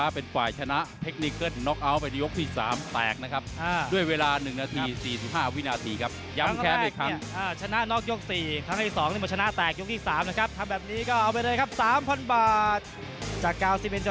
โปรดติดตามตอนต่อไป